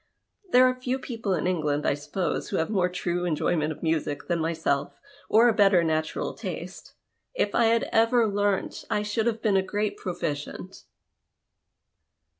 There are few people in England, I suppose, who have more true enjoyment of music than myself, or a better natural taste. If I had ever learnt, I should have been a great proficient."